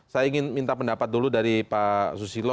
saya ingin minta pendapat dulu dari pak susilo